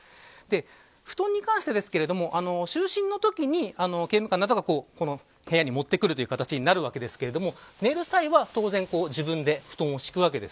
布団に関してですが就寝のときに刑務官などが部屋に持ってくる形になるわけですが寝る際は当然自分で布団を敷くわけです。